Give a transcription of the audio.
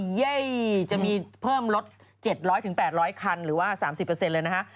เย่จะมีเพิ่มลด๗๐๐๘๐๐คันหรือว่า๓๐เลยนะฮะ